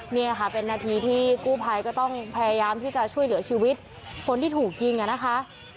นี่ค่ะเป็นนาทีที่กู้ภัยก็ต้องพยายามที่จะช่วยเหลือชีวิตคนที่ถูกยิงอ่ะนะคะ